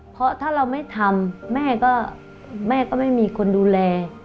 เพราะถ้าเราไม่ทำแม่ก็แม่ก็ไม่มีคนดูแล